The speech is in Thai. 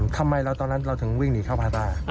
ทำไมตอนนั้นเราถึงวิ่งหนีเข้าภายใต้